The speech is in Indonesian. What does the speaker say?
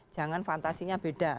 jangan fantasinya beda